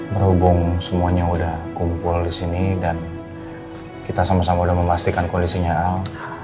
berhubung semuanya sudah kumpul di sini dan kita sama sama sudah memastikan kondisinya al